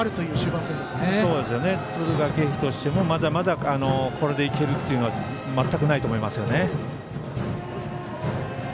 敦賀気比としてもまだまだこれでいけるっていうのは全くないと思いますよね。